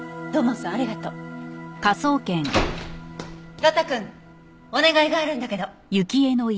呂太くんお願いがあるんだけど。